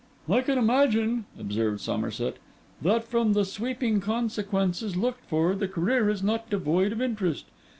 'I can imagine,' observed Somerset, 'that, from the sweeping consequences looked for, the career is not devoid of interest.